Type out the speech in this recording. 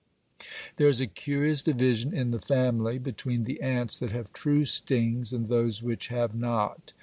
There is a curious division in the family between the ants that have true stings and those which have not.